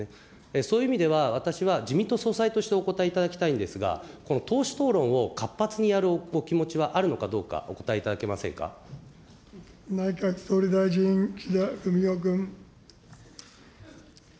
そういう意味では、私は、自民党総裁としてお答えいただきたいんですが、この党首討論を活発にやるお気持ちはあるのかどうか、お答えいた内閣総理大臣、岸田文雄君。